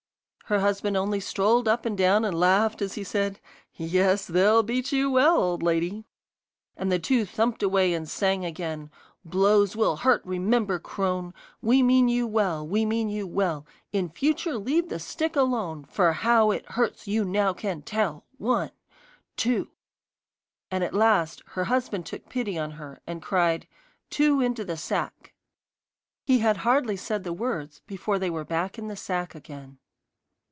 Her husband only strolled up and down and laughed, as he said: 'Yes, they'll beat you well, old lady.' And the two thumped away and sang again: 'Blows will hurt, remember, crone, We mean you well, we mean you well; In future leave the stick alone, For how it hurts, you now can tell, One two ' At last her husband took pity on her, and cried: 'Two into the sack.' He had hardly said the words before they were back in the sack again.